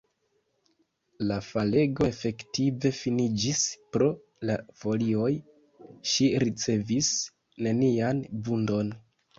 La falego efektive finiĝis! Pro la folioj ŝi ricevis nenian vundon.